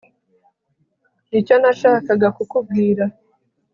nicyo nashakaga kukubwira